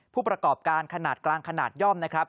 ผู้ประกอบการขนาดกลางขนาดย่อมนะครับ